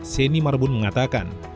seni marbun mengatakan